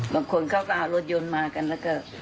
บางคนเขาก็เอารถยนต์มากันแล้วก็